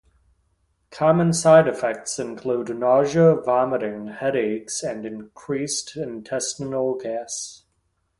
Common side effects include nausea, vomiting, headaches, and increased intestinal gas.